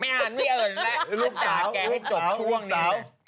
ไม่อ่านไม่เอิญแหละลูกสาวแกให้จบช่วงนี้